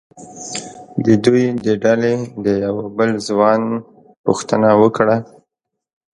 د دوی د ډلې د یوه بل ځوان پوښتنه وکړه.